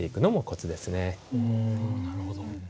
なるほど。